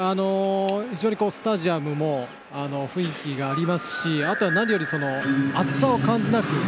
非常にスタジアムも雰囲気がありますしあとは何より暑さを感じます。